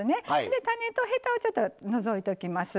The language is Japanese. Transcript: で種とヘタをちょっと除いときます。